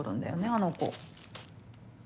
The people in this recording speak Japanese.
あの子。